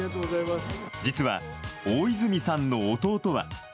実は大泉さんの弟は。